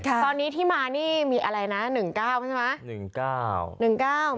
ตอนนี้ที่มานี่มีอะไรนะ๑๙ใช่ไหม